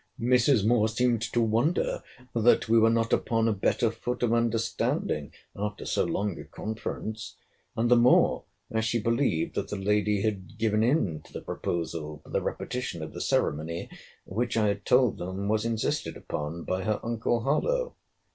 Mrs. Moore seemed to wonder that we were not upon a better foot of understanding, after so long a conference; and the more, as she believed that the lady had given in to the proposal for the repetition of the ceremony, which I had told them was insisted upon by her uncle Harlowe.